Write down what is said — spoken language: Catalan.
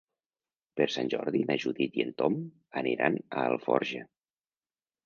Per Sant Jordi na Judit i en Tom aniran a Alforja.